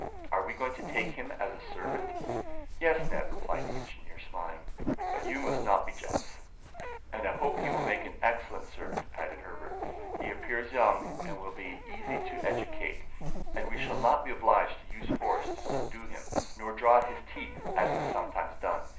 Are we going to take him as a servant?" "Yes, Neb," replied the engineer, smiling. "But you must not be jealous." "And I hope he will make an excellent servant," added Herbert. "He appears young, and will be easy to educate, and we shall not be obliged to use force to subdue him, nor draw his teeth, as is sometimes done.